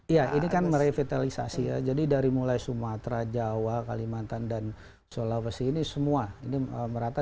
iya ini kan merevitalisasi ya jadi dari mulai sumatera jawa kalimantan dan sulawesi ini semua ini merata